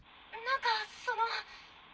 何かその。